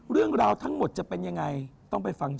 เรื่องราวทั้งหมดจะเป็นยังไง